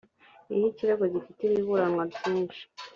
iyo ikirego gifite ibiburanwa byinshi